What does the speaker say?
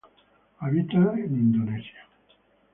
Habita en Indonesia.